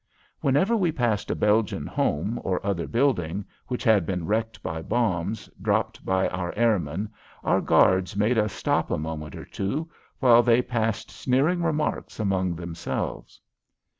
Whenever we passed a Belgian home or other building which had been wrecked by bombs dropped by our airmen our guards made us stop a moment or two while they passed sneering remarks among themselves.